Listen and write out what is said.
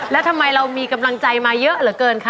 แล้วทำไมเรามีกำลังใจมาเยอะเหลือเกินคะ